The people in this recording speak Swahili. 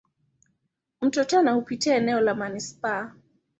Mto Tana hupitia eneo la manispaa.